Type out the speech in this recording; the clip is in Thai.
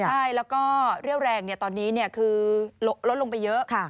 ใช่แล้วก็เรี่ยวแรงตอนนี้คือลดลงไปเยอะ